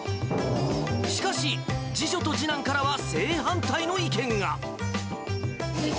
しかし、次女と次男からは正反対の意見が。